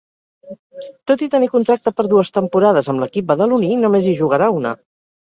Tot i tenir contracte per dues temporades amb l'equip badaloní només hi jugarà una.